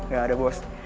gak ada bos